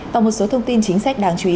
và một số thông tin chính sách đáng chú ý